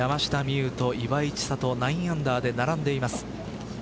有と岩井千怜９アンダーで並んでいます。